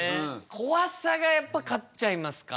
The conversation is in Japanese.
怖さがやっぱ勝っちゃいますか？